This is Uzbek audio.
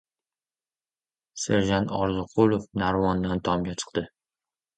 Serjant Orziqulov narvondan tomga chiqdi.